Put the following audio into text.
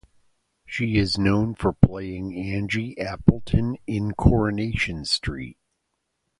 She is known for playing Angie Appleton in "Coronation Street".